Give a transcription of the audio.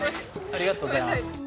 ありがとうございます。